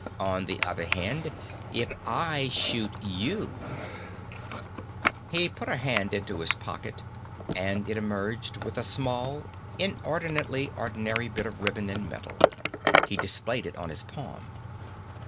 On the other hand, if I shoot you ..." He put a hand into his pocket and it emerged with a small, inordinately ordinary bit of ribbon and metal. He displayed it on his palm.